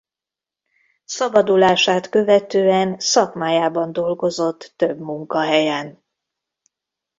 Szabadulását követően szakmájában dolgozott több munkahelyen.